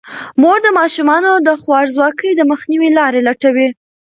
مور د ماشومانو د خوارځواکۍ د مخنیوي لارې لټوي.